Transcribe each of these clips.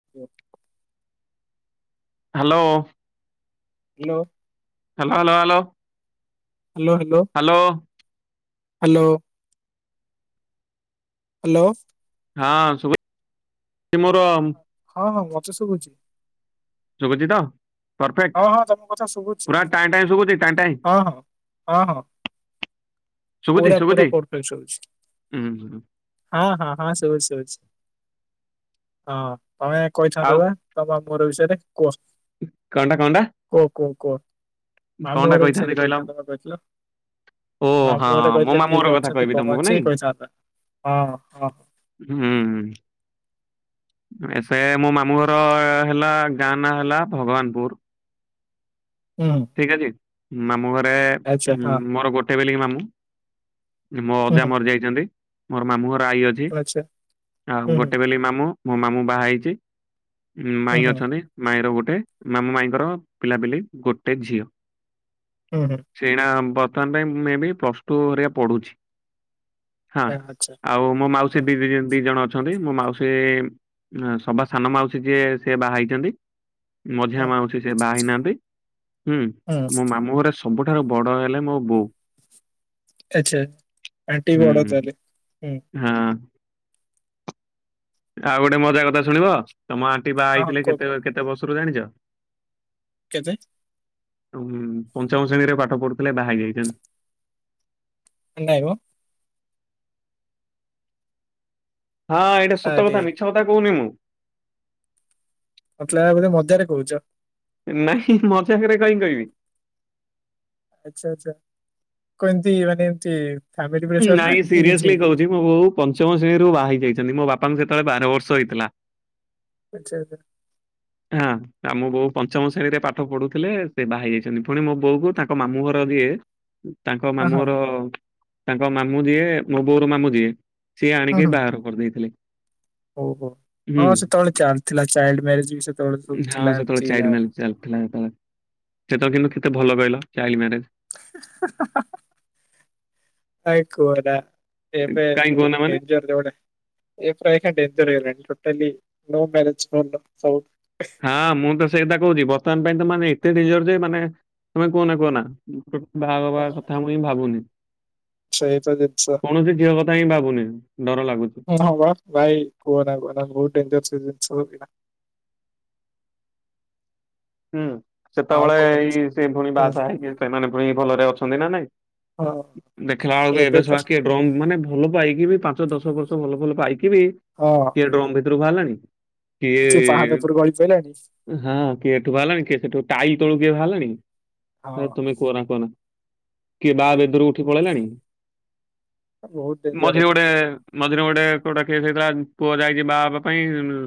[inaudible] Hello. Hello. Hello hello hello. Hello hello hello hello hello ହଁ ସବୁ ମୋର hello ହଁ ହଁ ମତେ ସବୁଛି। ସବୁଛି ତ? ପରଫେକ୍ଟ ହଁ ହଁ ତମ କଥା ଶୁଭୁଛି ପୁରା ଟାଇଁ ଟାଇଁ ଶୁଭୁଛି ଟାଇଁ ଟାଇଁ। ହଁ ହଁ ହଁ ହଁ ଶୁଭୁଛି ପୁରା ପୁରା ଶୁଭୁଛି ପରଫେକ୍ଟ ଶୁଭୁଛି ଉ ହୁଁ। ହଁ ହଁ ହଁ ଶୁବୁଛି ସୁବୁଛି ହଁ ତମେ କହୁଛ ଦେ ଆଉ ବା ତମ ମୋର ବିଷୟରେ କୁହ କଣ୍ଟା କଣ୍ଟା? କୁହ କୁହ କୁହ ମାମୁଁ ଘର କହିଥାନ୍ତି ବିଷୟରେ କହିଲ କହିଥାନ୍ତବା କହିଥିଲ। ଓ ହଁ ମାମୁଁ ଘରେ ମୋ କହିଥିଲ ମାମୁଁ କିଏ ଘର କିଏ କଥା ଅଛନ୍ତି କହିବି କଣ ତମକୁ ଅଛି ନାଇଁ? କହିଥାନ୍ତ ହଁ ହଁ। ହୁଁ। ଏସେ ମୋ ମାମୁଁ ଘର ହେଲା ଗାଁ ନାଁ ହେଲା ଭଗବାନପୁର। ହୁଁଁ। ଠିକ ଅଛି ମାମୁଁ ଘରେ ହଁ ମୋର ଗୋଟେ ବଲିକି ମାମୁଁ। ମୋ ଅଜା ହୁଁ ମରିଯାଇଛନ୍ତି ମୋର ମାମୁଁଘର ଆଈ ଅ ହୁଁ ଆଚ୍ଛା ଆଉ ହୁଁ ଗୋଟେ ହୁଁ ବଲି ମାମୁଁ। ମୋ ମାମୁଁ ବାହା ହେଇଛି, ମାଇ ହୁଁ ଅଛନ୍ତି। ମାଇଁ ର ଗୋଟେ। ମାମୁଁ ମାଇଁଙ୍କର ପିଲାପିଲି ଗୋଟେ ଝିଅ। ହୁଁ ହୁଁ। ସେ ଏଇନା ବର୍ତ୍ତମାନ ପାଇଁ ମେ ବି ପ୍ଲସ ଟୁ ହରିଆ ପଢୁଛି। ହଁ ହୁଁ ଆଚ୍ଛା ଆଉ ମୋ ହୁଁ ମାଉସୀ ବି ଦି, ଦି ଜଣ ଅଛ ଛନ୍ତି। ମୋ ମାଉସୀ, ସବା ସାନ ମାଉସୀ ଯିଏ ସିଏ ବାହା ହେଇଛନ୍ତି। ହୁଁ ମଝିଆଁ ମାଉସି ସେ ବାହା ହେଇନାହାନ୍ତି। ହୁଁ ମୋ ମାମୁଁ ଘରେ ସବୁଠାରୁ ବଡ ହେଲେ ମୋ ବୋଉ। ଆଚ୍ଛା ଆଣ୍ଟି ବଡ ତା ହେଲେ? ହାଁ। ଆଉ ଗୋଟେ ମଜା କଥା ଶୁଣିବ? ତମ ଆଣ୍ଟି ବାହା ହଁ ହଁ ହେଇଥିଲେ କୁହ କେତେ, କୁହ କେତେ ବର୍ଷରୁ ଜାଣିଛ? କେତେ? ହୁଁ ପଞ୍ଚମ ଶ୍ରେଣୀରେ ପାଠ ପଢୁଥିଲେ ବାହା ହେଇ ଯାଇଛନ୍ତି। ନାଇଁ ମ। ହଁ ଏଇଟା ସତ ଆରେ କଥା ମିଛ କଥା କହୁନି ମୁଁ। ମୋଦେ ଲାଗିଲା ବୋଧେ ମଜାରେ କହୁଛ। ନାଇଁ ମଜାକରେ କାଇଁ କହିବି? ଆଛା ଆଚ୍ଛା କଣ ଏମିତି, ମାନେ ଏମିତି ଫ୍ୟାମିଲ ପ୍ରେସର ନା ନାଇଁ ଏମିତି ସିରିୟସଲି କିଛି କହୁଛି ମୋ ବୋଉ ପଞ୍ଚମ ଶ୍ରେଣୀରୁ ବାହା ହେଇକି ଆଇଛନ୍ତି ମୋ ବାପାଙ୍କୁ ସେତେବେଳେ ବାର ବର୍ଷ ହେଇଥିଲା। ଆଛା ଆଛା। ହାଁ ମୋ ବୋଉ ପଞ୍ଚମ ଶ୍ରେଣୀରେ ପାଠ ପଢୁଥିଲେ ସିଏ ବାହା ହେଇ ଯାଇଛନ୍ତି। ପୁଣି ମୋ ବୋଉକୁ ତାଙ୍କ ମାମୁଁ ଘର ଯିଏ ତାଙ୍କ ହଁ ମାମୁଁ ହଁ ଘର, ତାଙ୍କ ମାମୁଁ ଯିଏ ମୋ ବୋଉର ମାମୁଁ ଯିଏ ସିଏ ଆଣିକି ବାହାଘର କରିଦେଇଥିଲେ। ଓହୋ। ହୁଁ ହଁ ସେତେବେଳେ ଚାଲି ଥିଲା। ଚାଇଲ୍ଡ ମ୍ୟାରେଜ ବି ସେତେବେଳେ ସବୁ ହଁ ଥିଲା। ସେତେବେଳେ ଏମିତି ଚାଇଲ୍ଡ ଗାଁ ରେ ମ୍ୟାରେଜ ଚାଲିଥିଲା ସେତେ ବେଳେ। ସେତେବେଳେ କିନ୍ତୁ କେତେ ଭଲ କହିଲ, ଚାଇଲ୍ଡ ମ୍ୟାରେଜ? ଆଉ କୁହନା। ଏବେ ଏହିକ୍ଷଣା କାହିଁ କୁହନା ମାନେ ଡେନଜର ହୋଇଗଲାଣି ଯୋ ମ୍ୟାରେଜ [unintelligible] ହଁ ମୁଁ ତ ସେଇକଥା କହୁଛି, ବର୍ତ୍ତମାନ ପାଇଁ ତ ମାନେ ଏତେ ଡେଞ୍ଜର ଯେ ମାନେ ତମେ କୁହନା କୁହନା ବାହାହବା କଥା ମୁଇ ଭାବୁନି। ସେଇତ ଜିନିଷ। କୌଣସି ଝିଅ କଥା ହିଁ ଭାବୁନି। ଡର ଲାଗୁଛି। ହଁ ବା ଭାଇ କୁହନା କୁହନା ବହୁତ ଡେଞ୍ଜର ଜିନିଷ ଗୁଡାକ ହୁଁ ଆଉ ସେତେବେଳେ କଣ ଏଇ ଅଛି ସେ ଫୁଣି ହୁଁ ବାହା ସା ହେଇକି ସେମାନେ ଫୁଣି ଭଲରେ ଅଛନ୍ତି ନା ନାଇଁ? ହଁ ଦେଖିଲା ବେଳକୁ ଏବେ ଶଳା କିଏ ଡ୍ରମ୍, ମାନେ ଭଲ ପାଇକି ବି ପାଞ୍ଚ ଦଶ ବର୍ଷ ଭଲ ଭଲ ପାଇକି ବି ହଁ। କିଏ ଡ୍ରମ ଭିତରୁ ବାହାରିଲଣି। କିଏ ପାହାଡ ଉପରୁ ଗଳି ପଇଲାଣି ହ କିଏ ଏଠୁ ବାହାରିଲାଣି, କିଏ ସେଠୁ, ଟାଇ ତଳୁ କିଏ ବାହାରଲାଣି, ହଁ ତୁମେ କୁହନା କୁହନା କିଏ ବାହା ଭାଇ ବେଦୀରୁ ଉଠି ପଳେଇଲାଣି, ବହୁତ ଡେଞ୍ଜର ମଝିରେ ଏଇନା। ଗୋଟେ ମଝିରେ ଗୋଟେ ଗୋଟେ କେସ୍ ହେଇଥିଲା ପୁଅ ଯାଇଛି ବାହା ହବା ପାଇଁ,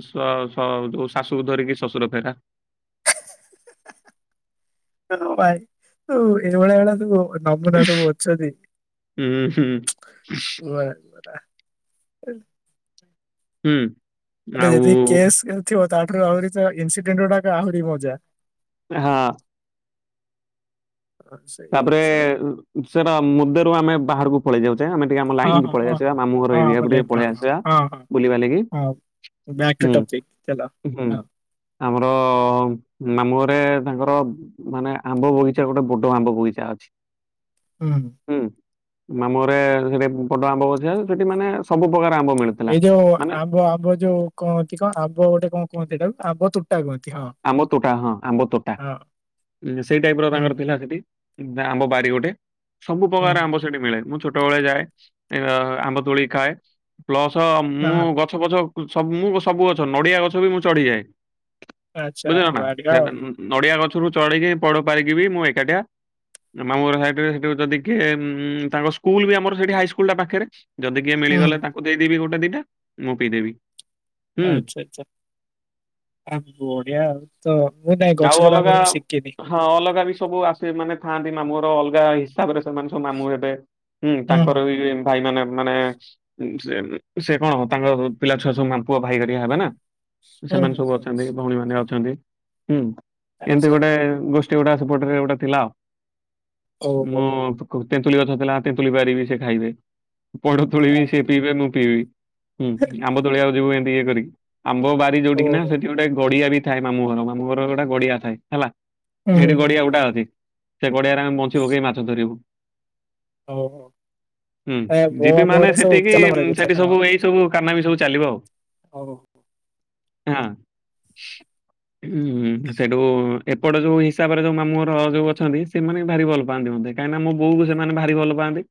ସ-ସ ଶାଶୁକୁ ଧରିକି ଶ୍ୱଶୁର ଫେରା ହ ଭାଇ ତୁ ଏଇଭଳିଆ ତୁ ହୋ ନମୁନା ସବୁ ଅଛନ୍ତି ହୁଁ ହୁଁ ହୁଁ। ଗୋଟେ ଆଉ ଯଦି କେସ୍ - ଥିବ ତାଠାରୁ ଆହୁରି ତ ଇନସିଡେଣ୍ଟ ଗୁଡାକ ଆହୁରି ମଜା। ହଁ। ସେଇ ତାପରେ ସ ସେଟା ମୁଦରୁ ଆମେ ବାହାରକୁ ପଳେଇ ଯାଉଛେ ଆମେ ଟିକେ ଆମ ହଁ ଲାଇନ କି ହଁ ପଳେଇ ହଁ ଆାଉଛେ ହଁ। ଯିବା ମାମୁଁ ଘର ହଁ ମୁଁ ଏରିଆକୁ ଲାଇନ୍ ଟିକେ କହ ପଳେଇ ହଁ ଆସିବା ହଁ ବୁଲିି ବାଲିକି ହଁ ବ୍ୟାକ୍ ଟୁ ଟପିକ ଚାଲ ହୁଁ ହଁ ଆମର ମାମୁଁ ଘରେ ତାଙ୍କର ମାନେ ଆମ୍ବ ବଗିଚା ଗୋଟେ ବଡ କଣ ଆମ୍ବ ବୋଇଚା ଅଛି ହୁଁ ହୁଁ ମାମୁଁ ଘରେ ସେଠି ବଡ଼ ଆମ୍ବ ବସିବା ସେଠି ମାନେ ସବୁ ପ୍ରକାର ଆମ୍ବ ମିଳୁଛି ଏଇ ଯୋଉ ଆବ ଆବ ଯୋଉ କୁହନ୍ତି କଣ ଆବ ଗୋଟେ କଣ କୁହନ୍ତି ଏଇଟାକୁ ଆବ ତୁଟା କୁହନ୍ତି ହଁ। ଆମ ତୋଟା ହଁ ଆମ୍ବ ତୋଟା ହଁ ସେଇ ଟାଇପ ର ହୁଁ ତାଙ୍କର ଥିଲା ସେଠି। ଆମ୍ବ ବାରି ଗୋଟେ ସବୁ ହୁଁ ପ୍ରକାର ହୁଁ ଆମ୍ବ ସେଥିମିଳେ ମୁଁ ଛୋଟବେଳେ ଯାଏ ଆମ୍ବ ତୋଳି ଖାଏ ପ୍ଲସ ହୁଁ ହଁ ମୁଁ ହଁ ଗ ଗଛ ପଛ ସବୁ ମୁଁ ସବୁ ଗଛ ନଡ଼ିଆ ଗଛ ବି ମୁଁ ଚଢ଼ିଯାଏ। ଆଚ୍ଛା ବୁଝିଲ ନା ବଢିଆ ସେ ଆଉ ନ ନ ନଡିଆ ଗଛରୁ ଚଢିକି ପଇଡ ପାରିକି ମୁଁ ଏକାଟିଆ ମାମୁଁଘର ସାଇଟିରେ ସେଠି ଯଦି କିଏ ତାଙ୍କ ସ୍କୁଲ ବି ଆମର ସେଠି ହାଇସ୍କୁଲଟା ପାଖରେ। ଯଦି କିଏ ହୁଁ। ମିଳିଗଲେ ତାଙ୍କୁ ଦେଇଦେବି ଗୋଟେ ଦିଟା ମୁଁ ପିଇଦେବି। ହୁଁ। ଆଚ୍ଛା ଆଚ୍ଛା ଆ ବଢିଆ। ତ ମୁଁ ନାଇଁ ଆଉ ଗଛଚଢା ଅଲଗା ମୁଁ ଶିଖିନି। ହଁ ଅଲଗା ବି ସବୁ ଆସେ ମାନେ ଥାଆନ୍ତି ମାମୁଁର ଅଲଗା ହି ହିସାବରେ ସେମାନେ ସବୁ ମାମୁଁ ହେବେ ହୁଁ ତାଙ୍କର ଭାଇ ମାନେ ମାନେ ସେ ସେ କଣ ତାଙ୍କ ପିଲା ଛୁଆ ସବୁ ମାମୁଁ ପୁଅ ଭାଇ ହେରିକା ହେବେ ନା ହୁଁ ସେମାନେ ହୁଁ ସବୁ ହୁଁ ଅଛନ୍ତି ଭଉଣୀ ମାନେ ଅଛନ୍ତି ହୁଁ ଏମିତି ଆଚ୍ଛା ଗୋଟେ ଗୋସ ସେ ଗୋଟା ସେପଟରେ ଗୋଟା ଥିଲା ଓହୋ ମୁଁ ତେନ୍ତୁଳି ଗଛ ଥିଲା ତେନ୍ତୁଳି ପାରିବି ସେ ଖାଇବେ ପଢୁଥୁଳି ଆ ବି ସେ ପିଇବେ ମୁଁ ପିଇବି। ହୁଁ ଆମ୍ବ ତୋଳିବାକୁ ଯିବୁ ଏମିତି ଇଏ କରିକି ଆମ୍ବ ବାରି ଯୋଉଠିକିନା ଓହୋ ସେଠି ଗୋଟେ ଗଡିଆ ବି ଥାଏ ମାମୁଁ ଘର ମାମୁ ଘର ଗୋଟେ ଗଡିଆ ଥାଏ ହେଲା ହୁଁ ହୁଁ ସେଇଠି ହୁଁ ଗଡିଆ ହୁଁ ଗୋଟା ଅଛି। ସେ ଗଡିଆରେ ଆମେ ବଁଛି ପକେଇ ମାଛ ଧରିବୁ। ଓହୋ ହୁଁ ଏ ମୋ ଯିବି ଆମ ମାନେ ଘର ସବୁ ସେଠିକି ଉଚ୍ଚାଲ ମରାଯାଇଛି ସେଠି ହଁ ସବୁ ଏଇ ସବୁ କାରନାମୀ ସବୁ ଚାଲିବ ଆଉ। [unintelligible] ହଁ। ହୁଁ ସେଇଠୁ ଏପଟ ଯୋଉ ହିସାବରେ ଯୋଉ ମାମୁଁଘର ଯୋଉ ଅଛନ୍ତି ସେମାନେ ବି ଭାରି ଭଲ ପାଆନ୍ତି ମତେ। କାହିଁକିନା ମୋ ବୋଉ କୁ ସେମାନେ ଭାରି ଭଲ ପାଆନ୍ତି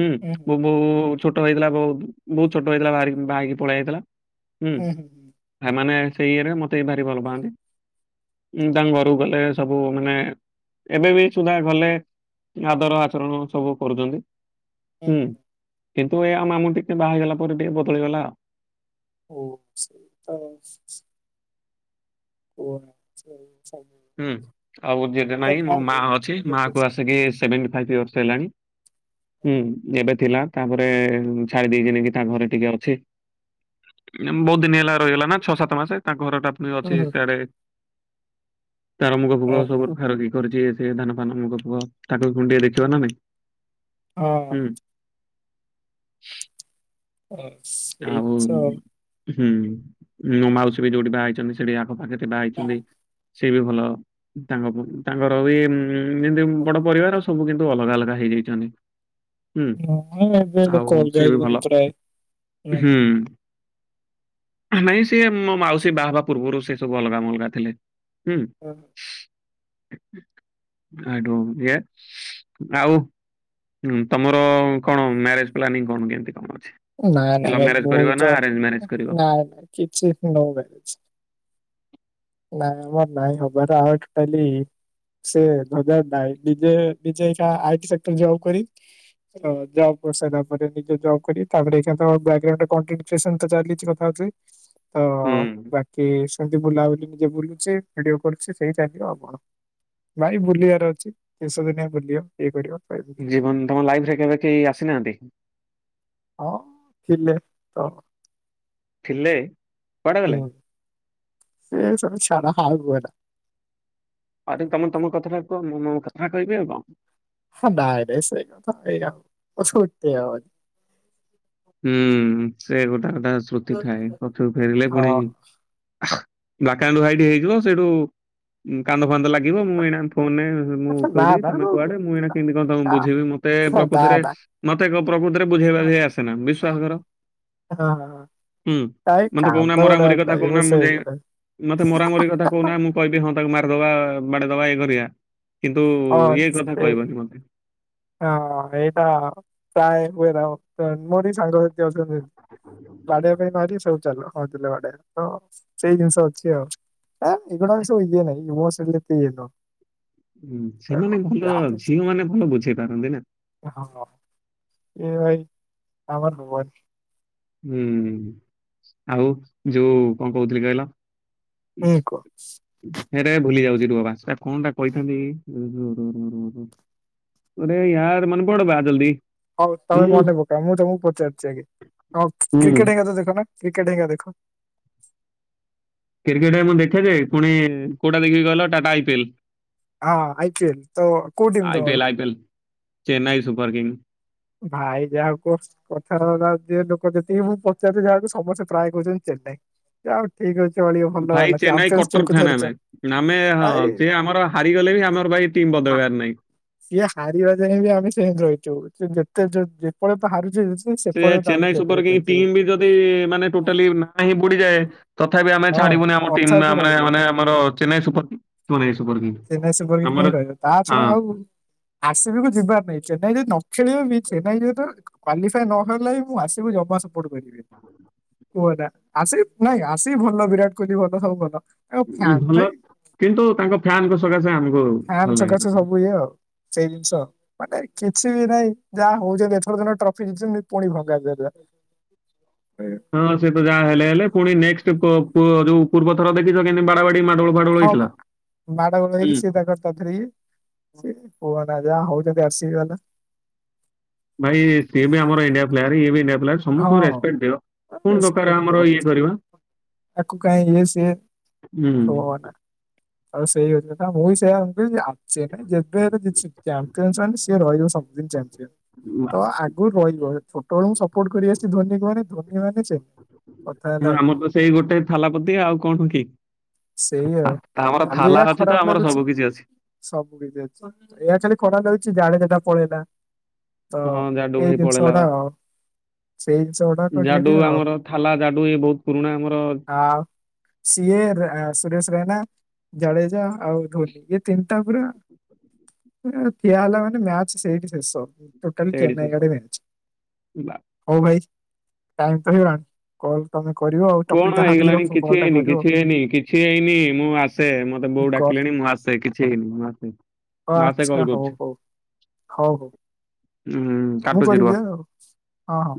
ହୁଁ ବୋଉ ବୋଉ ଛୋଟ ହେଇଥିଲା ବହୁ ବହୁତ ଛୋଟ ହେଇଥିଲା ବାହାରକି ବାହାହେଇକି ପଳେଇ ଆଇଥିଲା ହୁଁ। ସେମାନେ ସେଇ ଇଏରେ ମତେ ବି ଭାରି ଭଲ ପାଆନ୍ତି। ମୁଁ ତାଙ୍କ ଘରୁ ଗଲେ ସବୁ ମାନେ ଏବେ ବି ସୁଧା ଗଲେ ଆଦର ଆଚରଣ ସବୁ କରୁଛନ୍ତି। ହୁଁ କିନ୍ତୁ ଏୟା ମାମୁଁ ଟିକେ ବାହା ହେଇଗଲା ପରେ ଟିକେ ବଦଳିଗଲେ। ଓ ସେଇ ତ ଏୟା ହେଉଚି ହୁଁ ଆଉ ଜେଜ ନାଇଁ ମୋ ମା ନାହାନ୍ତି ଅଛି ମୁଁ ମା କୁ ଦେଖିଛି। ଆସ ସିକି ସେଭେଣ୍ଟି ଫାଇପ ଇୟର୍ସ ହେଲାଣି ହୁ ଏବେ। ଥିଲା ତାପରେ ଛାଡି ଦେଇଛି ନେଇ କିି ତା ଘରେ ଟିକେ ଅଛି। ବହୁତ ଦିନ ହେଲା ରହିଗଲା ନା ଛଅ ସାତ ମାସେ ତାଙ୍କ ଘରଟା ହୁଁ ଅଛି ହୁଁ ସାଡେ ତାର ମୁଗ ଫୁଗ ଓହୋ ସବୁ ରଖା ରଖି କରିଛି ସେ ଧାନ ଫାନ ମୁଗ ଫୁଗ ତାକୁ ବି ଖୁଣ୍ଡଡି ଦେଖିବା ନା ନାଇଁ ହଁ ହୁଁ ହ [unintelligible] ଆଉ ହୁଁ ମୋ ମାଉସୀ ବି ଯୋଉଠି ବାହା ହେଇଛନ୍ତି ସେଠି ଆଖପାଖରେ ସେ ବା ହେଇଛନ୍ତି ଆଉ। ସେ ବି ଭଲ ତାଙ୍କ ତାଙ୍କର ବି ଉଁ ଏମିତି ବଡ ପରିବାର ସବୁ କିନ୍ତୁ ଅଲଗା ଅଲଗା ହେଇଯାଇଛନ୍ତି। ହୁଁ ହଁ ଏବେ ଲୋକ ଆଉ ଅଲଗା ସେ ବି ହେଇଛନ୍ତି ଭଲ ପ୍ରାୟ ହୁଁ। ଆମେ ବି ସେୟା ମୋ ମାଉସୀ ବାହା ହେବା ପୂର୍ବରୁ ସେ ସବୁ ଅଲଗା ମଲଗା ଥିଲେ ହୁଁ। ହୁଁ। [unintelligible] ଆଉ ହୁଁ ତମର କଣ ମ୍ୟାରେଜ୍ ପ୍ଲାନିଙ୍ଗ କଣ କେମିତ୍ କଣ ଅଛି? ନାଇଁ ନାଇଁ ଲଭ୍ ଭାଇ ମ୍ୟାରେଜ କରିବ ଭୁଲ ନା ତ ଆରେଞ୍ଜ ମ୍ୟାରେଜ କରିବ? ନାଇଁ କିଛି [unintelligible] ନାଇଁ ଆମର ନାଇଁ ହବାର ଆଉ ଟୋଟାଲି [unintelligible] ନାଇଁ ନିଜେ ନିଜେ [unintelligible] ଜବ୍ କରିସାରିଲ ପରେ ନିଜ ଜବ କରି ତାପରେ ଚାଲି କଥା ହଉଛି। ତ ହୁଁ ବାକି ସେମିତି ବୁଲାବୁଲି ଯ ବୁଲୁଛି ଭିଡିଓ କରୁଛି ସେଇ ଚାଲିବ ଆପଣ ଭାଇ ବୁଲିବାର ଅଛି ଶଷ ଦିନେ ବୁଲିିବ ଇଏ କରିବ ବୁଲି ଜୀବନ ତମ ଲାଇଫ ରେ କେବେ କେହି ଆସିନାହାନ୍ତି? ହଁ ଥିଲେ ତ। ଥିଲେ? କୁଆଡେ ଗଲେ? ହୁଁ ସେଇ ସ ଛଡ଼ ଆଗୁଲା। ଆଉ ଟିକେ ତମେ ତମ କଥାଟା କୁହ ମୁଁ ମୋ କଥା ଟା କହିବି ଆଉ କଣ? ହ ନାଇଁ ନାଇ ସେଇ କଥା [unintelligible] ଉଠେଇହବନି। ହୁଁ ସେ ଗୋଟା ଗୋଟା ସ୍ମୁତି ହଁ ନା ଥାଏ ନା ପଛରୁ ଫେରିଲେ ପୁଣି ବାାକାଣ୍ଡୁ ଭାଇଠ ହେଇଯିବ ସେଇଠୁ କାନ୍ଦ ଫାନ୍ଦ ଲାଗି ଲ ମୁଁ ଏଇନା ଫୋନରେ ମୁଁ କଉଠି ତମେ ନା ନା। କୁଆଡେ ମୁଁ ଏଇନା କେମିତି କଣମ ବୁଝିବି ମତେ ହଁ ପ୍ରକୃତରେ ମତେ ଏକ ପ୍ରକୃତିରେ ବୁଝେଇବାଝେଇ ଆସେନା ବିଶ୍ଵାସ କର। ହୁଁ କାଇଁ ମତେ କହୁନା କାନ୍ଦ ଗୁଡା ମରାମରି କଥା ନାଇଁ କହୁନା ମୁଁ ସେଇ ଯାଇ ହଁ ମତେ ମରାମରି ସେ କଥା କହୁନା ମୁଁ କହିବି ହଁ ତାକୁ ମାରିଦବା ବାଡେଦବା ଏଇ ଘରିଆ କିନ୍ତୁ ଇଏ କଥା ସେ କହିବନି ମତେ। ହଁ ଏଟା କଏ ବୁଏ [unintelligible] ବାଡେଇଆ ପାଇଁ ମାରି ସବୁ ଚାଲ ହଉ ଦେ ବାଡେଇଆ ହଁ ସେଇ ଜିନିଷ ଅଛି ଆଉ। ଆଁ ଏଇଡସଇଏ ନାାଇଁ ବସିଲ ତଇନ ହୁଁ ସେମାନେ ଭଲ ଝିଅ ମାନେ ଭଲ ବୁଝେଇ ପାରନ୍ତି ନା। ହଁ ଏ ଭାଇ ଆମର ହୁଁ ଆଉ ଯୋଉ କଣ କହୁଥିଲି କହିଲ? ହଁ କୁହ। ହେ ରେ ଭୁଲି ଯାଉଛି ରୁ ବାସଟ କଣ ଟା କହିଥାନ୍ତି। ରେୟାର ମନ ପଡ ବା ଜଲଦି। ହଉ ତମେ ମନେ ପକା ମୁଁ ତମକୁ ପଚାରୁଛି ଆ ହଁ କ୍ରିକେଟ୍ ହଇା ତ ଦେଖ ନା କ୍ରିକେଟ ହେକ ଦେଖ? କ୍ରିକେଟ ମୁଁ ଦେଖେ ଯେ ପୁଣି କୋଉଟା ଦେଖିକି ଗ ଟାଟା ଆଇ ପିଏଲ। ହଁ ଆଇକଲ ତ କଉଠିିନ ଆଇପିଏଲ ତୋମର? IPL Chennai super king. ଭାଇ ଯାହା କ କଥା ହେ ଯିଏ ଲୋକ ଯେତିକି ମୁ ପଚାରୁଛି ଯାହାକୁ ସମସ୍ତେ ପ୍ରାୟ କହୁଛନ୍ତି ଚେନ୍ନାଇ। ଯାହା ହଉ ଠିକ ଅଛି ଅଳିକ ଭଲ ଭାଇ ହେଲା ଚେନ୍ନାଇ ଚାମ୍ପିୟନ୍ସ ଟ୍ରିପ କଟର କୁ ଫାନ ଧରିଛ ଆମେ ଆମେ ହଁ ଭାଇ ସେିଏ ଆମର ହାରିଗଲେ ବି ଆମର ଭାଇ ଟିମ ହଁ। ବଦଳିବାରନାଇ। ସିଏ ହାରିବା ଯାଏଁ ବି ଆମେ ସେ ରହିଛୁ ଯେତେ ଯେପବେ ତ ହାରୁଛେ ସେ ଚେନ୍ନାଇ ସୁପର କିଙ୍ଗ ଟିମ୍ ବି ଯଦି ମାନେ ଟୋଟାଲି ନା ହିଁ ବୁଡିଯାଏ। ତଥାପି ଆମେ ହଁ ଛାଡିବୁନି ଆମ ଟିମ୍ ତଥାପି ମାନେ ରହିବ ମାନେ ଆମର ଚେନ୍ନାଇ ସୁପର ଚେନ୍ନାଇ ସୁପର ହିଁ କିଙ୍ଗ [unintelligible] ରହିବ ତା ଛଡା ଆଉ ଆସିବିକୁ ଯିବାର ନାହିଁ ଚେନ୍ନାଇ ଯଦି ନ ଖେଳିବ ବି ସେ ନାଇ ଯେତ କ୍ୱାଲିଫିନହେଲେ ବିି ମୁଁ ଆସିବି ଜମା ସପୋର୍ଟ କରିବି କୁହ ନା ଆସି ନାଇଁ ଆସି ଭଲ ବିରାଟ କୋହଲି ଭଲ ସବୁ ଭଲ। ଆଉ ଉ ଫ୍ୟାନ୍ ଭଲ ଭାଇ କିନ୍ତୁ ତାଙ୍କ ଫ୍ୟାନଙ୍କ ସକାଶେ ଆମକୁ ଫ୍ୟାନ୍ ଭଲ ସକାଶେ ଲାଗେନ ସବୁ ଇଏ ଆଉ ସେଇ ଜିନିଷ ମାନେ କିଛି ବି ନହିଁ ଯାହା ହଉଛନ୍ତି ଏଥର ଦ ଟ୍ରଫି ଜତିଛନ୍ତି ପୁଣି ଭଗା ହଁ ସେ ତ ଯାହା ହେଲେ ହେଲେ ପୁଣି ନେକ୍ସଟ ଯୋଉ ପୂର୍ବ ଥର ଦେଖିଛ କେମତି ବାଡ ବାଡି ମାଡୋଳୁ ଫାଡଳ ହେଇଥିଲା। [unintelligible] କୁହ ନା ଯା ହଉଛନ୍ତି ଆସିକି ବାଲା। ଭାଇ ସିଏ ଆମ ଇଣ୍ଡିଆ ପ୍ଲେୟାର ଇଏବି ଇଣ୍ଡିଆ ପ୍ଲେୟାର। ସମସ୍ତଙ୍କୁ ହଁ ରେସ୍ପେକ୍ଟ ଦିଅ କଣ ଦରକାର ରେସପେକ୍ଟ ଆମର ଦବା ଇଏ କଥା। କରିବା। ଆକୁ କାଇ ଇଏ ସେଏ ହୁଁ, ଭଗବନେ। ଆଉ ସେଇ ହଉଛି ମୁଁ ବି ସେୟା ଆଉ ଚେନାଇ ଯେବେ ହେଲେ [unintelligible] ସେ ରହିବ ସବୁଦିନ [unintelligible] ବାସ୍ ରହିବ ଛୋଟବେଳୁ ମୁ ସପୋର୍ଟ କରିଆସିଛି ଧୋନୀ ମାନେ ଧୋନି ମାନେ କଥା ହଁ ହେଲା ଆମର ତ ସେଇ ଗୋଟେ ଥାଲାପତି ଆଉ କଣ କି? ସେଇ ଆଉ ତା ଆମର ଖାଲି ଥାଲା ଏହା ଅଛି ଖରାପ ତ ଆମର ଲାଗୁଛି ସବୁ କିିଛି ଅଛି। ସବୁ କିଛି ଅଛି ଏୟା ଖାଲି ଖରାପ ଲାଗୁଚି ଜାଣିଦେଲା ପଳେଇଲା। ତ ହଁ ଜାଡୁ ଏଇ ଭାଇ ଜିନିଷ ପଳେଇଲା ଟା। ବା। ସେଇଜିନିଷଗୁଡାକ ଟିକେ ଜାଡୁ ଟିକେ ଆଉ ଆମର ଥାଲା ଜାଡୁ ଇଏ ବହୁତ ପୁରୁଣା ଆମର ଆ ସିଏ ରେ ସୁରେଶ ରରେନା। [unintelligible] ଆଉ ଧୋନି ଯେ ତିନିଟା ପରା। ଠିଆ ହେଲା ମାନେ ମ୍ୟାଚ ସେଇଠି ସେଷ। ଟୋଟାଲି ଏଇଠି ଚେନ୍ନାଇ ଶେଷ। ଆଡେ [inaudible] ବା ହୋଉ ଭାଇ। [inaudible] ହୋଉ ଆଉ ତମେ କରିବ ଆଉ ଟପିକି ଟା ଭାବିକି ରଖ କଲ୍ ଟା କରିବ। କିନି କି ସେଇନି ମୁଁ ଆସେ ମତ ମତେ ବୋଉ ଗ ଡାକିଲେଣି ମୁଁ ଆସେ କିଛି ହେଇନି ମୁଁ ଆସେ ମୁ ଆସେ କଲ୍ କରୁଛି। ହୋଉ। ଉଁ, ମୁଁ କାଟୁଛି କରିବି ରୁହ। ଆଉ ହଁ ହଁ।